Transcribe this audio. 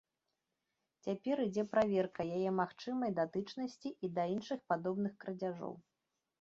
Цяпер ідзе праверка яе магчымай датычнасці і да іншых падобных крадзяжоў.